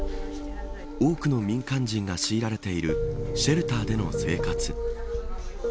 多くの民間人が強いられているシェルターでの生活。